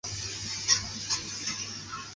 宣美及朴轸永等明星亦到场支持。